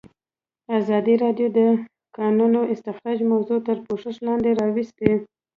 ازادي راډیو د د کانونو استخراج موضوع تر پوښښ لاندې راوستې.